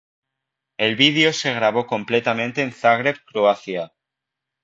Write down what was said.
El vídeo se grabó completamente en Zagreb, Croacia.